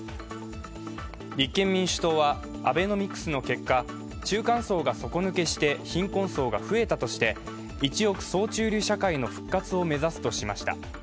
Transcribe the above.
立憲民主党はアベノミクスの結果、中間層が底抜けして貧困層が増えたとして１億総中流社会の復活を目指すとしました。